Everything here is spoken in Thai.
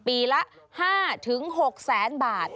ปีละ๕๖แสนบาท